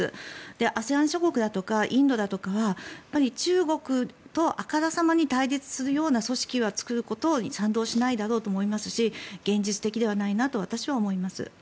ＡＳＥＡＮ諸国だとかインドだとかは中国とあからさまに対立するような組織を作ることに賛同しないだろうと思いますし現実的ではないなと私は思います。